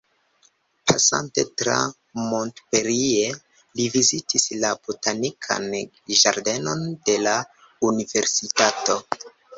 Pasante tra Montpellier, li vizitis la botanikan ĝardenon de la Universitato.